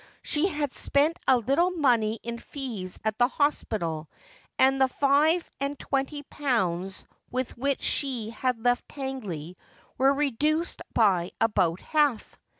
She had spent a little mqney in fees at the hospital, and the five and twenty pounds with which she had left Tangley were reduced by about half.